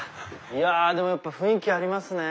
でもやっぱ雰囲気ありますね。